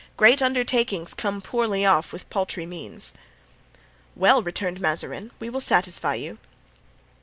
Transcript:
Great undertakings come poorly off with paltry means." "Well," returned Mazarin, "we will satisfy you."